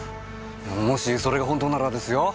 もしそれが本当ならですよ